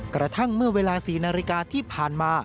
กระทั่งเมื่อเวลา๔นาฬิกาที่ผ่านมา